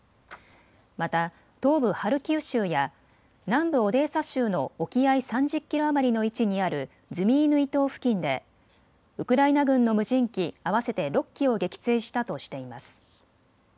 また東部ハルキウ州や南部オデーサ州の沖合３０キロ余りの位置にあるズミイヌイ島付近でウクライナ軍の無人機合わせて６機を撃墜したとしています。